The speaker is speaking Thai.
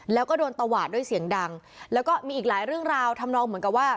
แล้วก็โดนตวาดด้วยเสียงดังแล้วก็มีอีกหลายเรื่องราวทำนองเหมือนกับว่า